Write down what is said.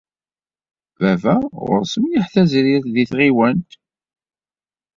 Baba ɣur-s mliḥ tazrirt deg tɣiwant.